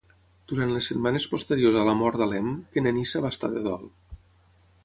Durant les setmanes posteriors a la mort d'Alem, Kenenisa va estar de dol.